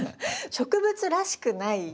植物らしくない？